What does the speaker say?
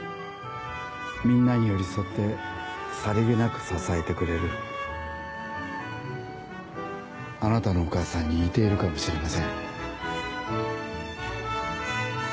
みんなに寄り添ってさりげなく支えてくれあなたのお母さんに似ているかもしれませ